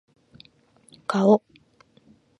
顔